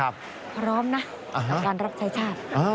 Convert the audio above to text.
พร้อมนะกับการรับใช้ชาติ